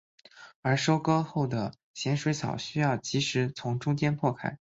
而收割后的咸水草需要即时从中间破开。